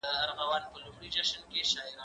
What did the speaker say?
هغه څوک چي لیکل کوي پوهه زياتوي